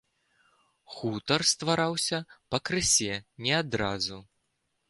Хутар ствараўся пакрысе, не адразу.